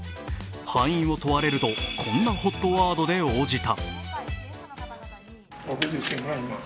敗因を問われると、こんなＨＯＴワードで応じた。